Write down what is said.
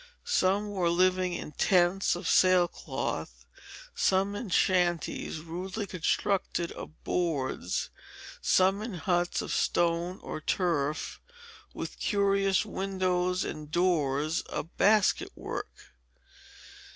Some were living in tents of sail cloth, some in shanties, rudely constructed of boards, some in huts of stone or turf, with curious windows and doors of basket work.